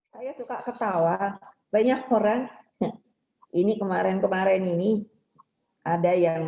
saya suka ketawa banyak orang ini kemarin kemarin ini ada yang